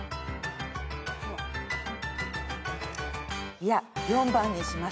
いや４番にします。